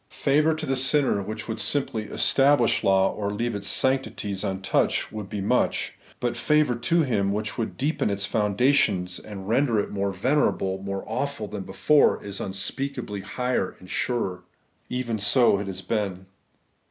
Favour to the sinner which would simplv establish law, or leave its sanctities untouched, would be much ; but favour to him which would deepen its foundations, and render it more venerable, more awful than before, is unspeakablv higher and surer. Even so has it been.